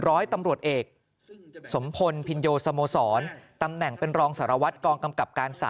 ร้อยตำรวจเอกสมพลพินโยสโมสรตำแหน่งเป็นรองสารวัตรกองกำกับการ๓